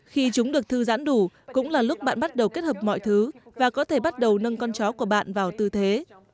khi chúng được thư giãn đủ cũng là lúc bạn bắt đầu kết hợp mọi thứ và có thể bắt đầu nâng con chó của bạn vào tư thế